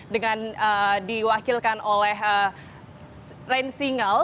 dengan diwakilkan oleh ren singal